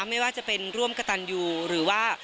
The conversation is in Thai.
ไม่ว่าจะเป็นร่วมกระตันยูหรือว่า